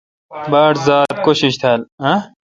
باڑ ذات کوشش تھال۔